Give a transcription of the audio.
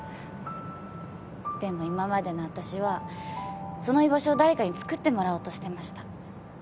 でも今までの私はその居場所を誰かにつくってもらおうとしてました。